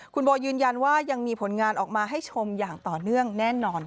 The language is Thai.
คุณโบยืนยันว่ายังมีผลงานออกมาให้ชมอย่างต่อเนื่องแน่นอน